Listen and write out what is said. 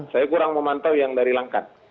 saya kurang memantau yang dari langkat